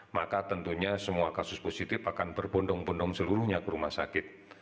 maka tentunya semua kasus positif akan berbondong bondong seluruhnya ke rumah sakit